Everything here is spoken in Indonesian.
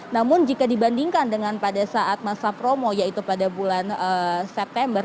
namun jika dibandingkan dengan pada saat masa promo yaitu pada bulan september